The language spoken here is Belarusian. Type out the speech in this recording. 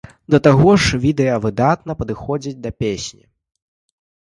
Да таго ж відэа выдатна падыходзіць да песні.